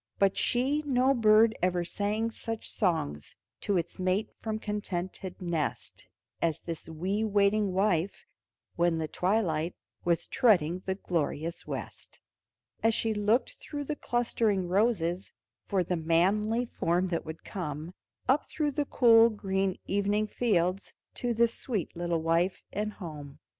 But she, no bird ever sang such songs To its mate from contented nest, As this wee waiting wife, when the twilight Was treading the glorious west; As she looked through the clustering roses, For the manly form that would come Up through the cool green evening fields To this sweet little wife and home.